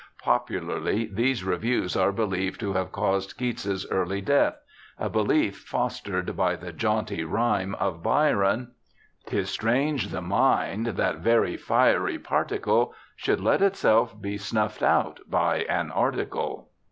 Popularly these reviews are believed to have caused Keats's early death— a belief fostered by the jaunty rime of Byron : 'Tis strange the mind, that very fiery particle. Should let itself be snuffed out by an article.